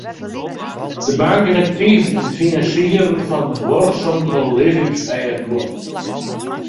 De bank is aktyf yn it finansierjen fan duorsum belizzingsfêstguod.